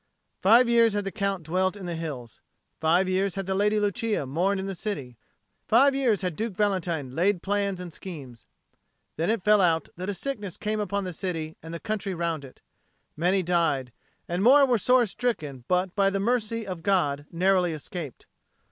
Five years had the Count dwelt in the hills; five years had the Lady Lucia mourned in the city; five years had Duke Valentine laid plans and schemes. Then it fell out that a sickness came upon the city and the country round it; many died, and more were sore stricken but by the mercy of God narrowly escaped.